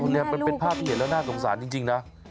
นี่แหละเป็นภาพเหล่าน่าสงสารจริงนะ